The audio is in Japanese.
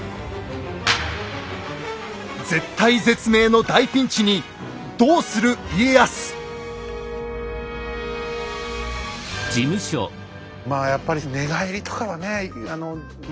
絶体絶命の大ピンチにまあやっぱり寝返りとかはねあのまあ